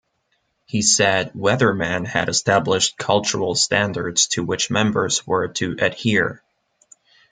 He said Weatherman had established cultural standards to which members were to adhere.